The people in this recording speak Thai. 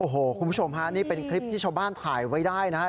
โอ้โหคุณผู้ชมฮะนี่เป็นคลิปที่ชาวบ้านถ่ายไว้ได้นะฮะ